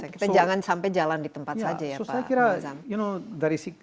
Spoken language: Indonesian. kita jangan sampai jalan di tempat saja ya pak